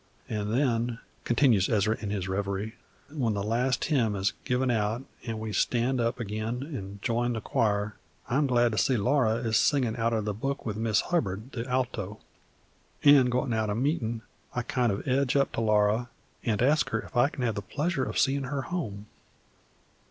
"An' then," continues Ezra in his revery, "when the last hymn is given out an' we stan' up ag'in an' join the choir, I am glad to see that Laura is singin' outer the book with Miss Hubbard, the alto. An' goin' out o' meetin' I kind of edge up to Laura and ask her if I kin have the pleasure of seen' her home.